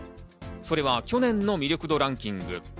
それは去年の魅力度ランキング。